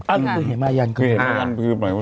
อ้าวคือเหมายันคือเหมายันหมายความว่า